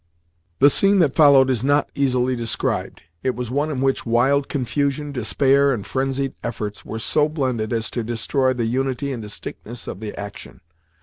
The scene that followed is not easily described. It was one in which wild confusion, despair, and frenzied efforts, were so blended as to destroy the unity and distinctness of the action.